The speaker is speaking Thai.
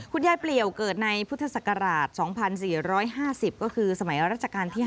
เปลี่ยวเกิดในพุทธศักราช๒๔๕๐ก็คือสมัยรัชกาลที่๕